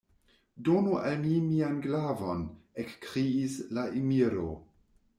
Donu al mi mian glavon! ekkriis la emiro.